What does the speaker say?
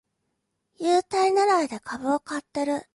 優待ねらいで株を買ってる